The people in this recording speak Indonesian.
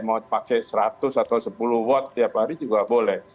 mau pakai seratus atau sepuluh watt tiap hari juga boleh